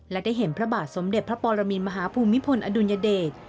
และได้เห็นพระบาทสมเด็จพระปรมินมหาภูมิพลอดุลยเดช